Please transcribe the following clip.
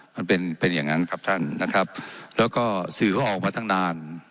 มันเป็นเป็นอย่างนั้นครับท่านนะครับแล้วก็สื่อก็ออกมาตั้งนาน